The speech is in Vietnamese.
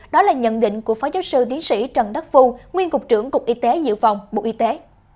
đó là nhận định của phó giáo sư tiến sĩ trần đắc phu nguyên cục trưởng cục y tế dự phòng bộ y tế